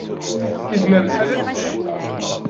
Izmer lḥal ad d-tas.